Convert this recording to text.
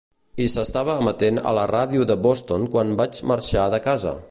I s'estava emetent a la ràdio de Boston quan vaig marxar de casa.